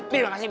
bi makasih bi